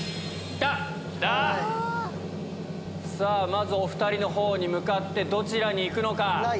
まずお２人のほうに向かってどちらに行くのか。